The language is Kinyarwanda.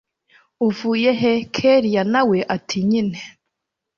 uvuyehe kellia nawe ati nyine